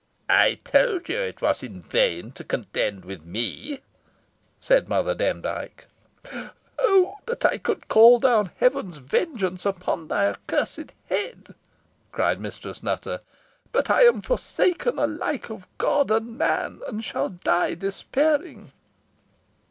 "I told you it was in vain to contend with me," said Mother Demdike. "Oh, that I could call down heaven's vengeance upon thy accursed head!" cried Mistress Nutter; "but I am forsaken alike of God and man, and shall die despairing."